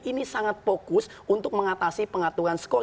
ini sangat fokus untuk mengatasi pengaturan skor